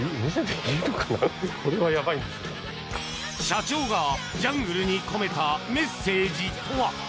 社長がジャングルに込めたメッセージとは？